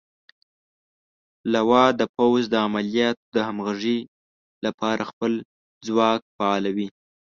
لوا د پوځ د عملیاتو د همغږۍ لپاره خپل ځواک فعالوي.